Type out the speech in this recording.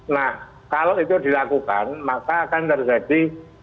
nah kalau itu dilakukan maka akan terjadi